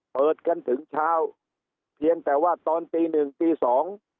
เปิดกันถึงเช้าเพียงแต่ว่าตอนตีหนึ่งตีสอง